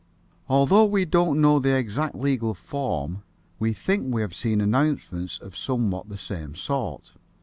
Although we don't know the exact legal form, we think we have seen announcements of somewhat the same sort.